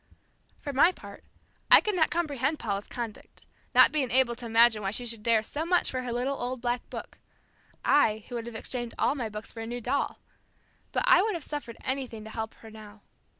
For my part, I could not comprehend Paula's conduct, not being able to imagine why she should dare so much for her little old black book I, who would have exchanged all my books for a new doll; but I would have suffered anything to help her now.